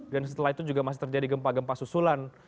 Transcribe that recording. dan setelah itu juga masih terjadi gempa gempa susulan